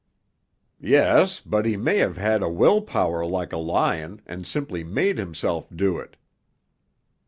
'Yes, but he may have had a will power like a lion, and simply made himself do it.'